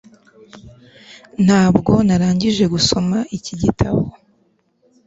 ntabwo narangije gusoma iki gitabo